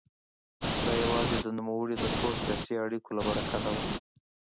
دا یوازې د نوموړي د ښو سیاسي اړیکو له برکته وه.